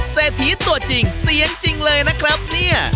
เศรษฐีตัวจริงเสียงจริงเลยนะครับเนี่ย